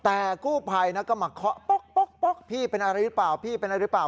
แต่กู้ภัยก็มาเคาะป๊อกพี่เป็นอะไรหรือเปล่าพี่เป็นอะไรหรือเปล่า